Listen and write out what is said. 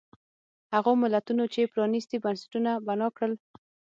هغو ملتونو چې پرانیستي بنسټونه بنا کړل.